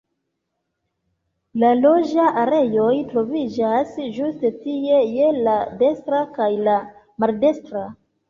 La loĝa areoj troviĝas ĝuste tie je la dekstra kaj la maldekstra.